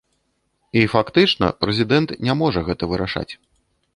І, фактычна, прэзідэнт не можа гэта вырашаць.